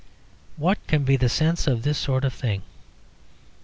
What can be the sense of this sort of thing?